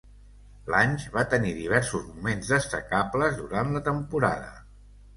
Lange va tenir diversos moments destacables durant la temporada.